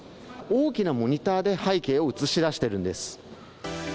大きなモニターで背景を映し出しているんです。